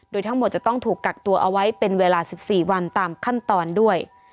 โดยทั้งหมดจะต้องถูกกักตัวเอาไว้เป็นเวลา๑๔วันตามขั้นตอนด้วย